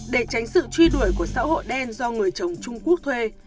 để tránh sự truy đuổi của xã hội đen do người trồng trung quốc thuê